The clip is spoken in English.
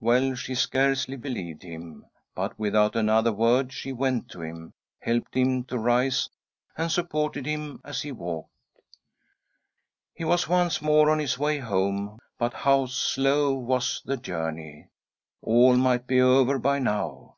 Well, she scarcely believed him, but, without another word, she went to him, helped him to rise, and supported him as he walked. He was once more on his way home, but how slow was the journey. All might be over by now